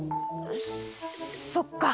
そっか！